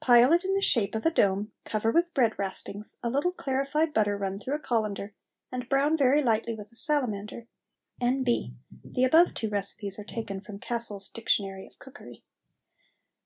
Pile it in the shape of a dome, cover with bread raspings, a little clarified butter run through a colander, and brown very lightly with a salamander. N.B. The above two recipes are taken from "Cassell's Dictionary of Cookery."